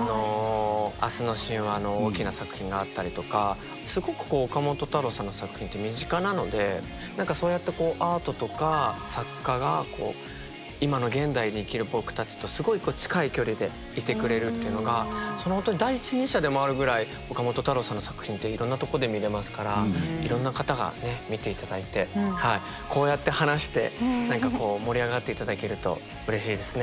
「明日の神話」の大きな作品があったりとかすごく岡本太郎さんの作品って身近なので何かそうやってアートとか作家が今の現代に生きる僕たちとすごい近い距離でいてくれるっていうのがそのほんとに第一人者でもあるぐらい岡本太郎さんの作品っていろんなところで見れますからいろんな方が見て頂いてこうやって話して何かこう盛り上がって頂けるとうれしいですね。